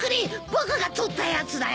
僕が取ったやつだよ！